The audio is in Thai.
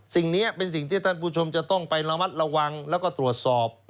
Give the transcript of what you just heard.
สิ่งนี้เป็นสิ่งที่ท่านผู้ชมจะต้องไประมัดระวังแล้วก็ตรวจสอบ